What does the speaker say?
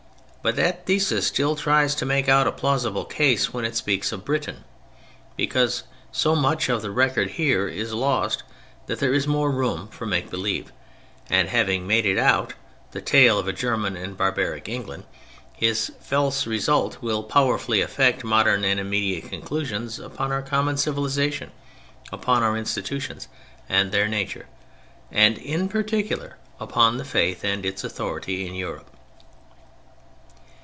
But that thesis still tries to make out a plausible case when it speaks of Britain, because so much of the record here is lost that there is more room for make believe; and having made it out, the tale of a German and barbaric England, his false result will powerfully affect modern and immediate conclusions upon our common civilization, upon our institutions, and their nature, and in particular upon the Faith and its authority in Europe.